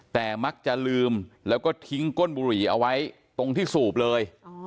แต่มักจะลืมแล้วก็ทิ้งก้นบุหรี่เอาไว้ตรงที่สูบเลย